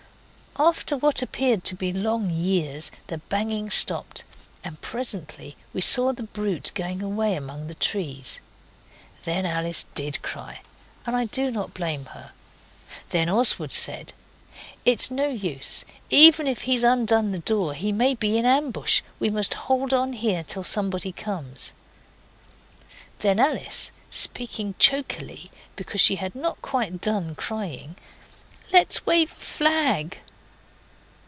After what appeared to be long years, the banging stopped, and presently we saw the brute going away among the trees. Then Alice did cry, and I do not blame her. Then Oswald said 'It's no use. Even if he's undone the door, he may be in ambush. We must hold on here till somebody comes.' Then Alice said, speaking chokily because she had not quite done crying 'Let's wave a flag.